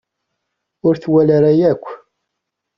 Ur t-tawala ara yakk.